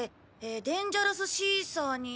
『デンジャラスシーサー』に。